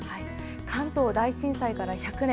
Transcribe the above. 関東大震災から１００年。